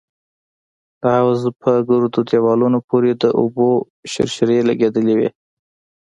د حوض په ګردو دېوالونو پورې د اوبو شرشرې لگېدلې وې.